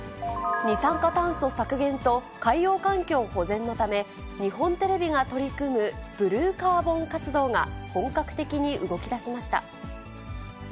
二酸化炭素削減と、海洋環境保全のため、日本テレビが取り組むブルーカーボン活動が、本格的に動きだしました。